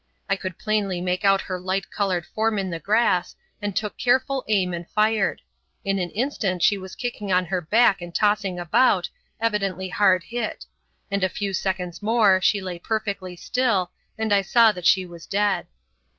I could plainly make out her light coloured form in the grass, and took careful aim and fired. In an instant she was kicking on her back and tossing about, evidently hard hit; in a few seconds more she lay perfectly still, and I saw that she was dead.